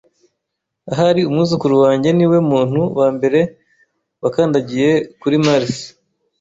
Ahari umwuzukuru wanjye niwe muntu wambere wakandagiye kuri Mars.